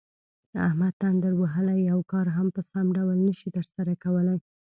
احمد تندر وهلی یو کار هم په سم ډول نشي ترسره کولی.